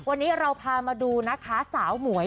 วันนี้เราพามาดูนะคะสาวหมวย